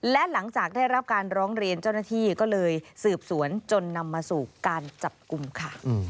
และหลังจากได้รับการร้องเรียนเจ้าหน้าที่ก็เลยสืบสวนจนนำมาสู่การจับกลุ่มค่ะ